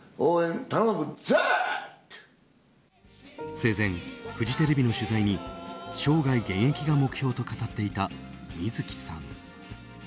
生前、フジテレビの取材に生涯現役が目標と語っていた水木さん。